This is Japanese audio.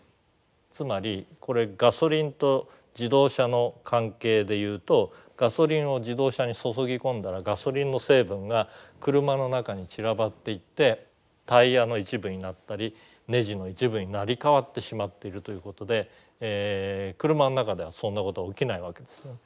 つまりこれガソリンと自動車の関係でいうとガソリンを自動車に注ぎ込んだらガソリンの成分が車の中に散らばっていってタイヤの一部になったりネジの一部に成り代わってしまってるということで車の中ではそんなこと起きないわけですね。